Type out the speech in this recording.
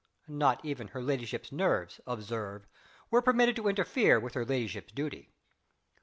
(Not even her ladyship's nerves, observe, were permitted to interfere with her ladyship's duty.)